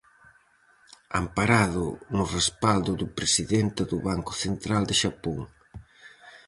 Amparado no respaldo do presidente do Banco Central de Xapón.